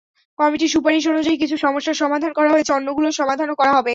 কমিটির সুপারিশ অনুযায়ী কিছু সমস্যার সমাধান করা হয়েছে, অন্যগুলোর সমাধানও করা হবে।